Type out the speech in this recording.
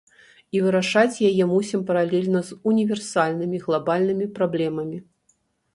І вырашаць яе мусім паралельна з універсальнымі, глабальнымі праблемамі.